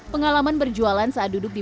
pengalaman berjualan saat duduk di